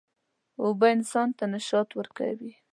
اوبه انسان ته نشاط ورکوي.